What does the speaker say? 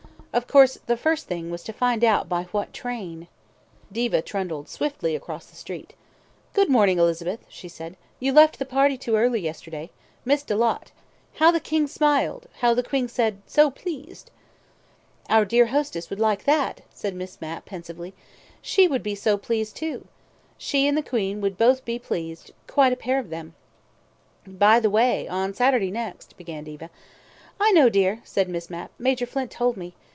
Of course, the first thing was to find out by what train ... Diva trundled swiftly across the street "Good morning, Elizabeth," she said. "You left the party too early yesterday. Missed a lot. How the King smiled! How the Queen said 'So pleased'." "Our dear hostess would like that," said Miss Mapp pensively. "She would be so pleased, too. She and the Queen would both be pleased. Quite a pair of them." "By the way, on Saturday next " began Diva. "I know, dear," said Miss Mapp. "Major Flint told me.